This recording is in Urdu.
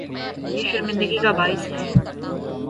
یہ شرمندگی کا باعث ہے۔